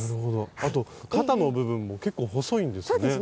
あと肩の部分も結構細いんですね。